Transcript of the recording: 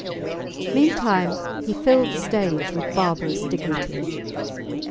Meantime he filled the stage with barbarous dignity.